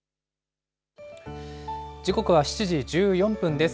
時刻は７時１４分です。